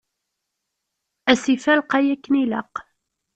Asif-a lqay akken ilaq.